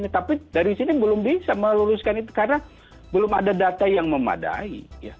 tapi dari sini belum bisa meluluskan itu karena belum ada data yang memadai